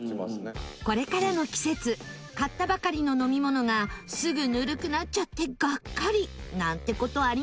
これからの季節買ったばかりの飲み物がすぐぬるくなっちゃってがっかりなんて事ありますよね